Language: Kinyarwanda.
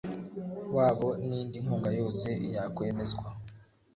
wabo n indi nkunga yose yakwemezwa